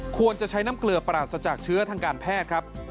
ควรจะใช้น้ำเกลือปราศจากเชื้อทางการแพทย์ครับ